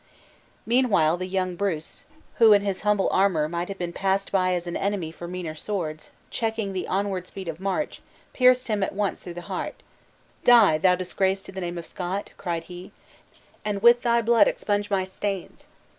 Meanwhile the young Bruce (who, in his humble armor, might have been passed by as an enemy for meaner swords), checking the onward speed of March, pierced him at once through the heart: "Die, thou disgrace to the name of Scot," cried he, "and with thy blood expunge my stains!"